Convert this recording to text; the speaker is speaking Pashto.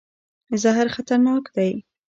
زهر خطرناک دی.